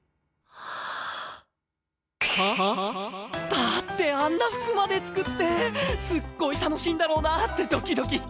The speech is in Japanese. だってあんな服まで作ってすっごい楽しいんだろうなってドキドキしちゃって。